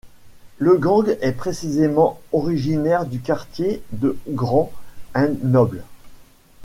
Le gang est précisément originaire du quartier de Grand and Noble.